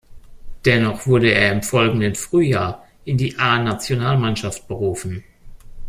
Dennoch wurde er im folgenden Frühjahr in die A-Nationalmannschaft berufen.